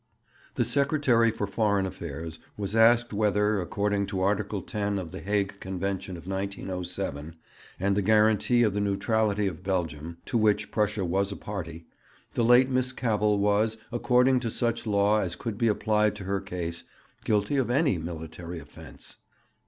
The Secretary for Foreign Affairs was asked whether, according to Article 10 of the Hague Convention of 1907 and the guarantee of the neutrality of Belgium, to which Prussia was a party, the late Miss Cavell was, according to such law as could be applied to her case, guilty of any military offence.